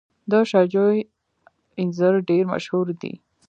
د شاه جوی انځر ډیر مشهور دي.